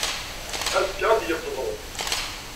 Azekka, ad d-yeqḍu.